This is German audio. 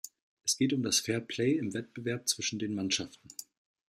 Es geht um das Fairplay im Wettbewerb zwischen den Mannschaften.